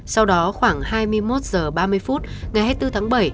sau đó khoảng hai mươi một h ba mươi phút ngày hai mươi bốn tháng bảy